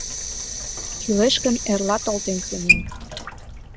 — Кӱлеш гын, эрлат олтен сеҥем.